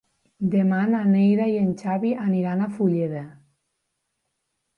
Demà na Neida i en Xavi aniran a Fulleda.